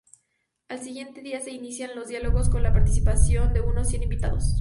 Al siguiente día se inician los diálogos con la participación de unos cien invitados.